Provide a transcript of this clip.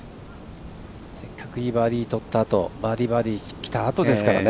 せっかくいいバーディーとったあとバーディー、バーディーきたあとですからね。